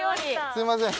すみません。